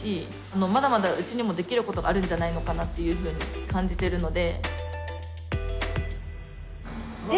まだまだうちにもできることがあるんじゃないのかなっていうふうに感じてるので。